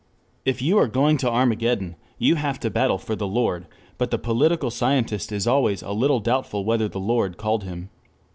If you are going to Armageddon, you have to battle for the Lord, but the political scientist is always a little doubtful whether the Lord called him.